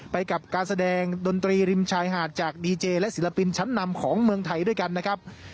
ไปกับการแสดงดนตรีริมชายหาดจากดีเจและศิลปินชั้นนำของเมืองไทยด้วยกันนะครับ